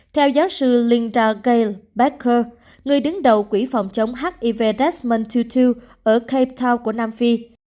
theo giáo sư linda gale becker người đứng đầu quỹ phòng chống hiv respirant hai hai ở cape town của nam phi